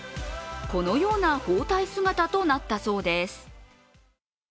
このような包帯姿となったそうです。